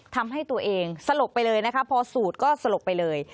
ทำให้ตัวเองสลบไปเลยนะคะพอสูดก็สลบไปเลย